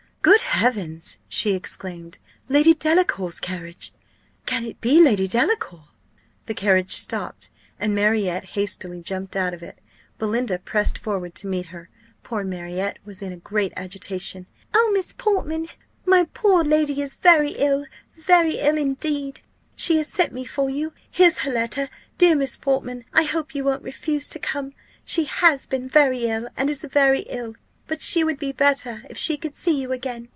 "Good heavens!" she exclaimed, "Lady Delacour's carriage! Can it be Lady Delacour?" The carriage stopped, and Marriott hastily jumped out of it. Belinda pressed forward to meet her; poor Marriott was in great agitation: "Oh, Miss Portman! my poor lady is very ill very ill, indeed. She has sent me for you here's her letter. Dear Miss Portman, I hope you won't refuse to come; she has been very ill, and is very ill; but she would be better, if she could see you again.